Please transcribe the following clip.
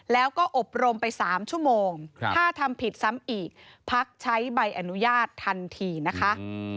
แล้วก็อบรมไป๓ชั่วโมงถ้าทำผิดซ้ำอีกพักใช้ใบอนุญาตทันทีนะคะ